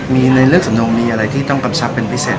มีในเลือกสำนงมีอะไรที่ต้องกำชับเป็นพิเศษ